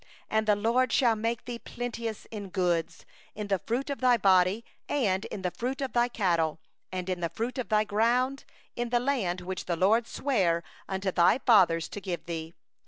11And the LORD will make thee over abundant for good, in the fruit of thy body, and in the fruit of thy cattle, and in the fruit of thy land, in the land which the LORD swore unto thy fathers to give thee.